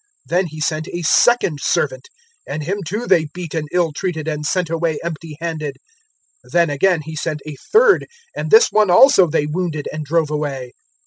020:011 Then he sent a second servant; and him too they beat and ill treated and sent away empty handed. 020:012 Then again he sent a third; and this one also they wounded and drove away.